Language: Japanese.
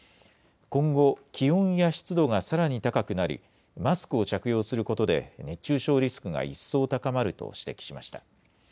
今後、気温や湿度がさらに高くなりマスクを着用することで熱中症リスクが一層高まると指摘しました。